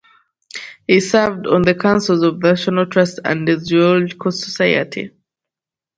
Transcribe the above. He served on the Councils of the National Trust and the Zoological Society.